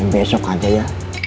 besok aja ya